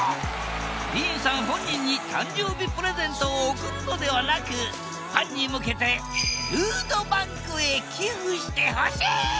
ディーンさん本人に誕生日プレゼントを贈るのではなくファンに向けてフードバンクへ寄付してほしいと呼びかけたのだ。